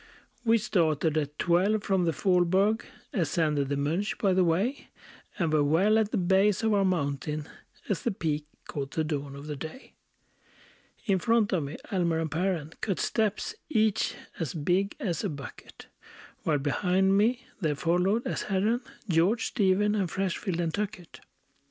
We started at twelve from the Faulberg; Ascended the Monch by the way; And were well at the base of our mountain, As the peak caught the dawn of the day. In front of me Almer and Perren Cut steps, each as big as a bucket; While behind me there followed, as Herren, George, Stephen, and Freshfield, and Tuckett.